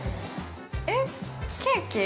えっ、ケーキ？